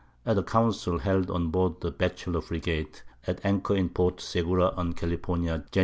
At a Council held on board the Batchelor Frigate, at Anchor in Port Segura, on California, Jan.